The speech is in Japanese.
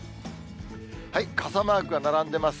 傘マークが並んでいます。